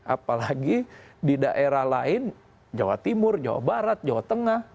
apalagi di daerah lain jawa timur jawa barat jawa tengah